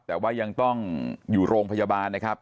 แต่ว่ายังต้องอยู่โรงพยาบาลนะครับ